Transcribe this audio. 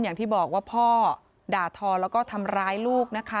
อย่างที่บอกว่าพ่อด่าทอแล้วก็ทำร้ายลูกนะคะ